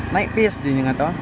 naik pis di sini nggak tahu